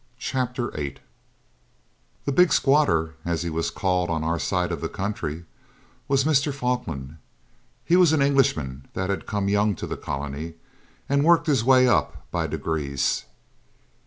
Chapter 8 The 'big squatter', as he was called on our side of the country, was Mr. Falkland. He was an Englishman that had come young to the colony, and worked his way up by degrees.